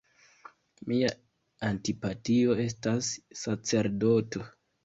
Mia antipatio estas sacerdoto.